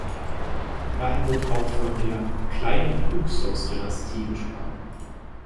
Daher wird auch von der "Kleinen Hyksos-Dynastie" gesprochen.